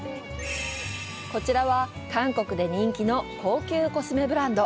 こちらは、韓国で人気の高級コスメブランド。